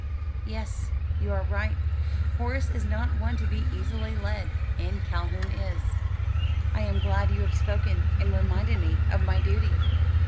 "Yes, you are right; Horace is not one to be easily led, and Calhoun is. I am glad you have spoken and reminded me of my duty."